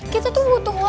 kita tuh butuh waktu